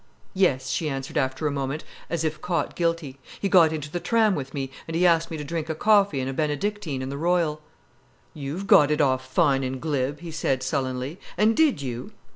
"Yes," she answered, after a moment, as if caught guilty. "He got into the tram with me, and he asked me to drink a coffee and a Benedictine in the Royal." "You've got it off fine and glib," he said sullenly. "And did you?"